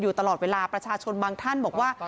ตลอดเวลาประชาชนบางท่านบอกว่า